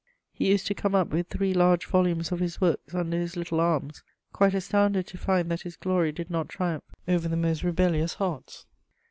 He used to come up with three large volumes of his works under his little arms, quite astounded to find that his glory did not triumph over the most rebellious hearts.